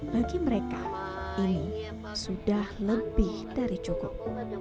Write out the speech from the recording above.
bagi mereka ini sudah lebih dari cukup